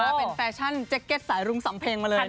เป็นแฟชั่นแจ็คเก็ตสายรุ้งสำเพงมาเลย